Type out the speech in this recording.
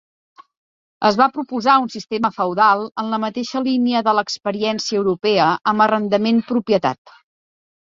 Es va proposar un sistema feudal en la mateixa línia de l'experiència europea amb arrendament-propietat.